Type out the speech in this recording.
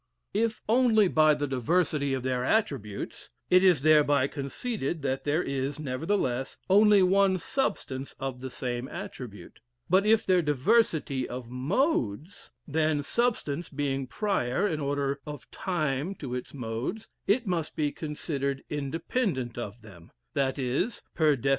If only by the diversity of their attributes, it is thereby conceded that there is, nevertheless, only one substance of the same attribute; but if their diversity of modes, then, substance being prior in order of time to its modes, it must be considered independent of them that is (per def.